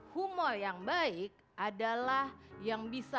humor yang baik adalah yang bisa